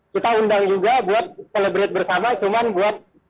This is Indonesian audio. kita undang juga buat celebrate bersama cuma dengan ngasih lihat medalinya aja